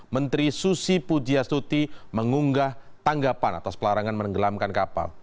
menteri susi pujiastuti mengunggah tanggapan atas pelarangan menenggelamkan kapal